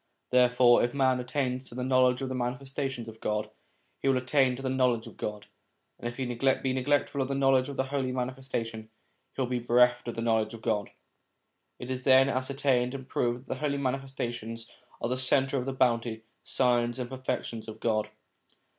Therefore if man attains to the knowledge of the Manifestations of God, he will attain to the knowledge of God ; and if he be neglectful of the knowledge of the Holy Manifestation, he will be bereft of the knowledge of God. It is then ascertained and proved that the Holy Manifestations are the centre of the bounty, signs, and perfections of God.